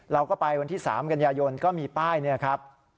เราก็ไปวันที่๓กันยายนก็มีป้ายเนี่ยครับ